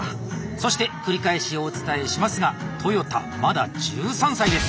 そして繰り返しお伝えしますが豊田まだ１３歳です。